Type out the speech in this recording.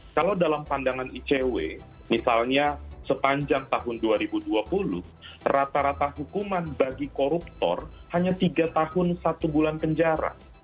kalau dalam pandangan icw misalnya sepanjang tahun dua ribu dua puluh rata rata hukuman bagi koruptor hanya tiga tahun satu bulan penjara